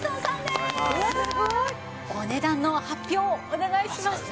すごい！お値段の発表をお願いします。